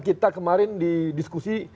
kita kemarin didiskusi